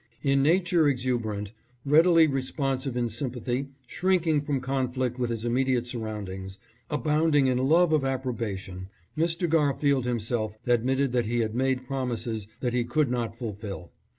In nature exuberant, readily responsive in sympathy, shrinking from conflict with his immediate surroundings, abounding in love of approbation, Mr. Garfield himself admitted that he had made promises that he could not fulfill.